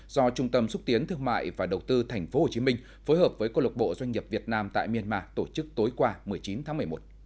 do trung tâm xúc tiến thương mại và đầu tư tp hcm phối hợp với cộng lộc bộ doanh nghiệp việt nam tại myanmar tổ chức tối qua một mươi chín tháng một mươi một